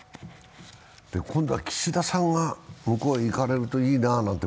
今度は岸田さんが向こうに行かれるといいななんて